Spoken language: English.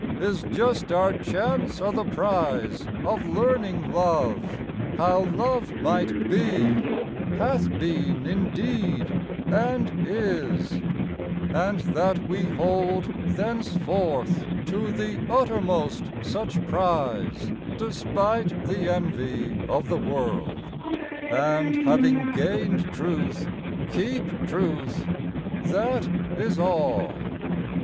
. Is just our cha^nce o' the prize of learning love, How love might be, hath been indeed, and is; And that we hold thenceforth, to the utter most 18 yBaetcv fFnterprctcb Such pf ize despite the envy of the world. And having gained truth, keep truth; that is all.